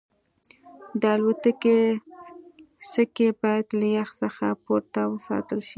د الوتکې سکي باید له یخ څخه پورته وساتل شي